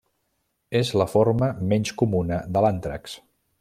És la forma menys comuna de l'àntrax.